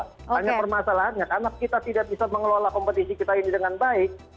hanya permasalahannya karena kita tidak bisa mengelola kompetisi kita ini dengan baik